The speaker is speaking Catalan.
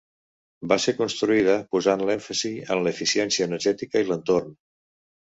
Va ser construïda posant l'èmfasi en l'eficiència energètica i l'entorn.